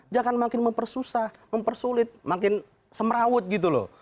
jangan makin mempersusah mempersulit makin semerawut gitu loh